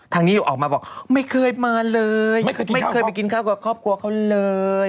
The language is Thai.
นิ้วออกมาบอกไม่เคยมาเลยไม่เคยไปกินข้าวกับครอบครัวเขาเลย